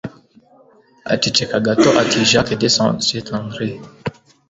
Aceceka gato ati Jacques de SaintAndré